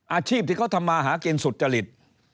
อาชีพที่เขาทำมาหากินสุจริต